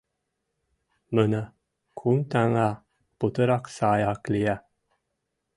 Мына, кум таҥга — путырак сай ак лия.